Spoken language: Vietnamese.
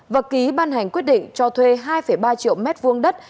và ký ban hành quyết định cho thuê hai ba triệu mét vuông đất